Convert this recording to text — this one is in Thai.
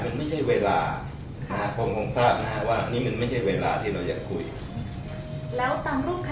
เจ้าของคุณที่เขาคิดว่าว่านี่มันไม่ใช่เวลาคงทราบมาก